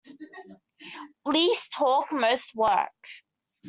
Least talk most work.